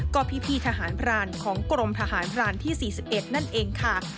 ก็พี่ทหารพรานของกรมทหารพรานที่๔๑นั่นเองค่ะ